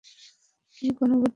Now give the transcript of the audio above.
কি গণভোটের কথা বলছ তুমি?